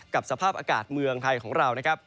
กับสภาพอากาศเมืองไทยของเรานะครับ